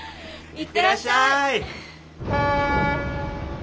行ってらっしゃい！